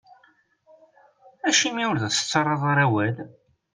Acimi ur as-tettarraḍ ara awal?